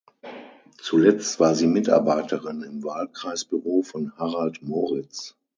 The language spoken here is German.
Zuletzt war sie Mitarbeiterin im Wahlkreisbüro von Harald Moritz.